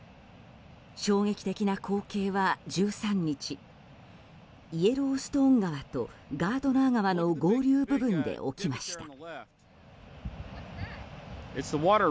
衝撃的な光景は１３日イエローストーン川とガードナー川の合流部分で起きました。